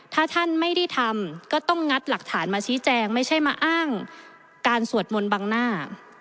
ถ้าท่านไม่ได้ทำก็ต้องงัดหลักฐานมาชี้แจงไม่ใช่มาอ้างการสวดมนต์บังหน้า